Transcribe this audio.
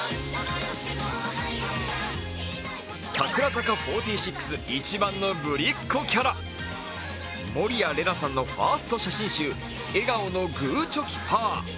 櫻坂４６一番のぶりっこキャラ、守屋麗奈さんのファースト写真集、「笑顔のグー、チョキ、パー」。